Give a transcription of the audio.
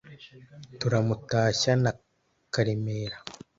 turamutashya na karemera